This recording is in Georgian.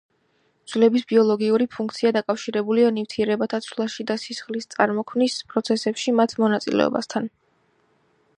ძვლების ბიოლოგიური ფუნქცია დაკავშირებულია ნივთიერებათა ცვლაში და სისხლის წარმოქმნის პროცესებში მათ მონაწილეობასთან.